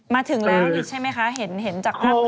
มาถึงแล้วนี่ใช่ไหมคะเห็นจาก